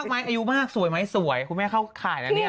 เอออายุมากสวยไหมคุณแม่เข้าข่ายเนี่ย